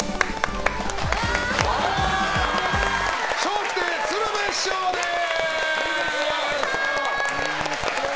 笑福亭鶴瓶師匠です。